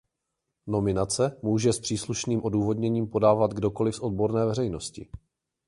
Nominace může s příslušným odůvodněním podávat kdokoli z odborné veřejnosti.